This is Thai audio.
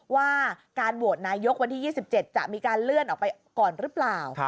ว่าการโหวตนายกวันที่๒๗จะมีการเลื่อนออกไปก่อนหรือเปล่า